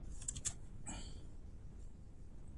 ممکن په هغه سي کي خير وي چي ستاسو بد ايسي؟